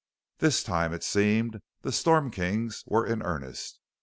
This time it seemed the Storm Kings were in earnest.